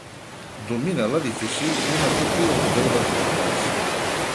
Domina l'edifici una cúpula de teules blaves.